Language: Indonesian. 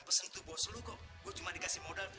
jalan keluar untuk menabih